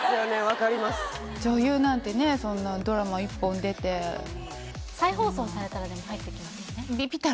分かります女優なんてねそんなドラマ１本出て再放送されたらでも入ってきますよね？